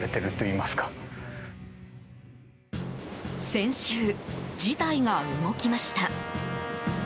先週、事態が動きました。